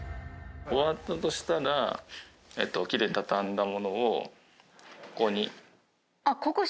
終わったとしたらきれいに畳んだものをここに。